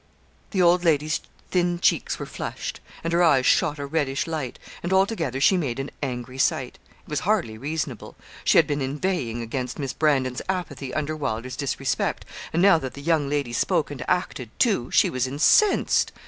The old lady's thin cheeks were flushed, and her eyes shot a reddish light, and altogether she made an angry sight. It was hardly reasonable. She had been inveighing against Miss Brandon's apathy under Wylder's disrespect, and now that the young lady spoke and acted too, she was incensed.